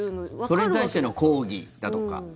それに対しての抗議だとか。